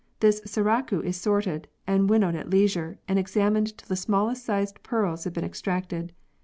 This "sarraku" is sorted and winnowed at leisure, and examined till the smallest sized pearls have been extracted.